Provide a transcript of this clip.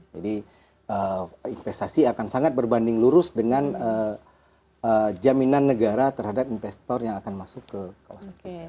jadi investasi akan sangat berbanding lurus dengan jaminan negara terhadap investor yang akan masuk ke kawasan tersebut